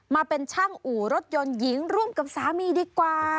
มาเป็นช่างอู่รถยนต์หญิงร่วมกับสามีดีกว่า